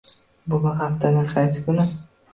Bugun haftaning qaysi kuni?